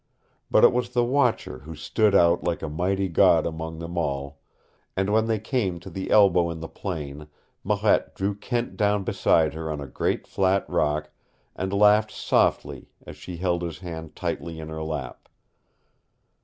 But it was the Watcher who stood out like a mighty god among them all, and when they came to the elbow in the plain, Marette drew Kent down beside her on a great flat rock and laughed softly as she held his hand tightly in her lap.